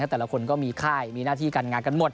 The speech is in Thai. แต่ละคนก็มีค่ายมีหน้าที่การงานกันหมด